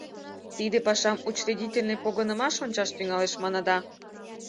Тиде пашам Учредительный погынымаш ончаш тӱҥалеш, маныда.